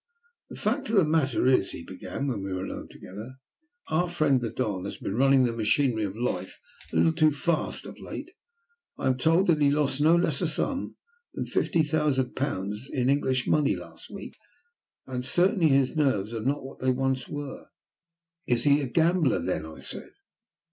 "The fact of the matter is," he began, when we were alone together, "our friend the Don has been running the machinery of life a little too fast of late. I am told that he lost no less a sum than fifty thousand pounds in English money last week, and certainly his nerves are not what they once were." "He is a gambler, then?" I said.